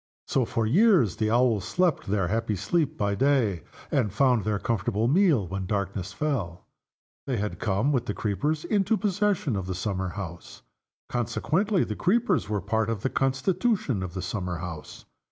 So, for years, the Owls slept their happy sleep by day, and found their comfortable meal when darkness fell. They had come, with the creepers, into possession of the summer house. Consequently, the creepers were a part of the constitution of the summer house.